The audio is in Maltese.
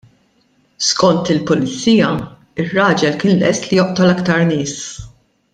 Skont il-Pulizija, ir-raġel kien lest li joqtol iktar nies.